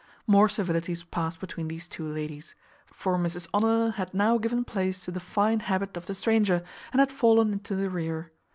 More civilities passed between these two ladies; for Mrs Honour had now given place to the fine habit of the stranger, and had fallen into the rear.